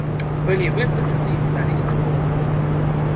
Былі вызначаны і фіналісты конкурсу.